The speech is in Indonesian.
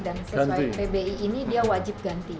dan sesuai pbi ini dia wajib ganti